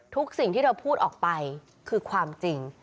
สิ่งที่เธอพูดออกไปคือความจริง